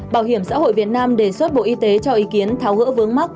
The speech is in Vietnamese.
bảo hiểm xã hội việt nam đề xuất bộ y tế cho ý kiến tháo gỡ vướng mắt